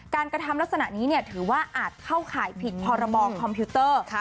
กระทำลักษณะนี้ถือว่าอาจเข้าข่ายผิดพรบคอมพิวเตอร์